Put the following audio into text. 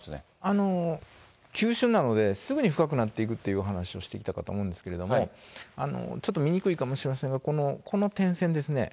急しゅんなので、すぐに深くなっていくという話をしてきたかと思うんですけれども、ちょっと見にくいかもしれませんが、この点線ですね。